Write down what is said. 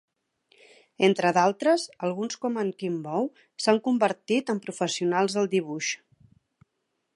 Entre d'altres, alguns com en Quim Bou s'han convertit en professionals del dibuix.